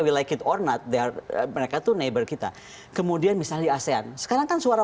will like it or not they are mereka to neighbor kita kemudian misalnya asean sekarang kan suara